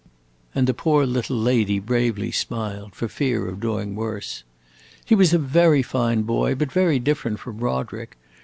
And the poor little lady bravely smiled, for fear of doing worse. "He was a very fine boy, but very different from Roderick.